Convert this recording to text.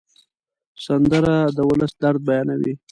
سندره د ولس درد بیانوي